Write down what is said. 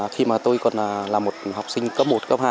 khi mà tôi còn là một học sinh cấp một cấp hai